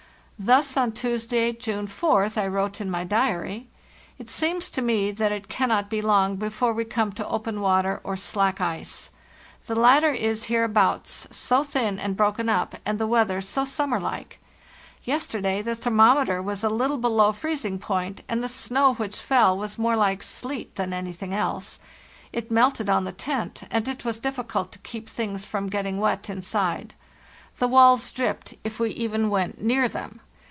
Thus, on Tuesday, June 4th, I wrote in my diary: "It seems to me that it cannot be long before we come to open water or slack ice. The latter is, hereabouts, so thin and broken up, and the weather so summer like. Yesterday the thermometer was a little below freezing point, and the snow which fell was more like sleet than anything else; it melted on the tent, and it was difficult to keep things from getting wet inside; the walls dripped if we even went near them.